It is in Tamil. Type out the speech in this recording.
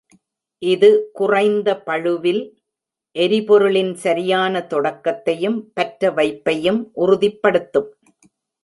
இது "குறைந்த பளுவில், எரிபொருளின் சரியான தொடக்கத்தையும் பற்றவைப்பையும் உறுதிப்படுத்தும்".